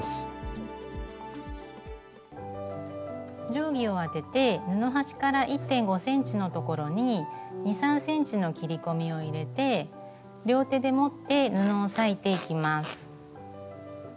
定規を当てて布端から１．５ｃｍの所に２３ｃｍの切り込みを入れて両手で持って布を裂いていきます。